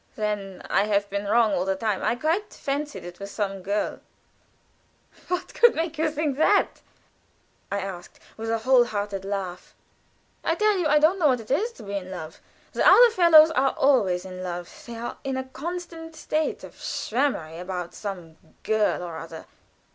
"Then I have been wrong all the time. I quite fancied it was some girl " "What could make you think so?" I asked, with a whole hearted laugh. "I tell you I don't know what it is to be in love. The other fellows are always in love. They are in a constant state of Schwäramerei about some girl or other.